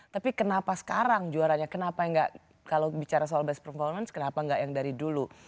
tapi kenapa sekarang juaranya kenapa enggak kalau bicara soal best performance kenapa nggak yang dari dulu